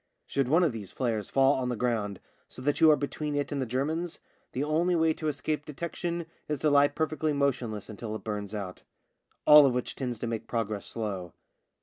Should one of these flares fall on the ground, so that you are between it and the Germans, the only way to escape detection is to lie perfectly motionless until it burns out. All of which tends to make progress slow.